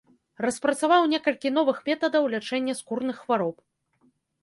Распрацаваў некалькі новых метадаў лячэння скурных хвароб.